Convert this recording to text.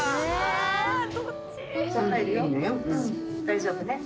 大丈夫ね？